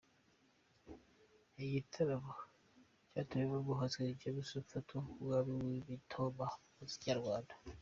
Ni igitaramo cyatumiwemo umuhanzi King James ufatwa nk’umwami w’imitoma mu muziki nyarwanda.